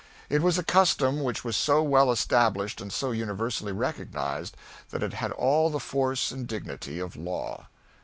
It was a custom which was so well established and so universally recognized, that it had all the force and dignity of law.